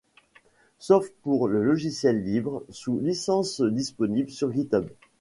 Sauf pour le logiciel Libre sous licence disponible sur Github.